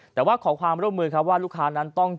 จำนวนนักท่องเที่ยวที่เดินทางมาพักผ่อนเพิ่มขึ้นในปีนี้